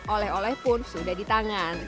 oleh oleh pun sudah di tangan